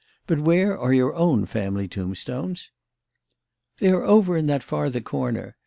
But where are your own family tombstones?" "They are over in that farther corner.